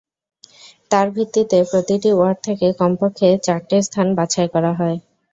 তার ভিত্তিতে প্রতিটি ওয়ার্ড থেকে কমপক্ষে চারটি স্থান বাছাই করা হয়।